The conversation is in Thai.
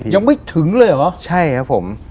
ยังไม่ถึงเลยเหรอครับพี่ใช่ครับผม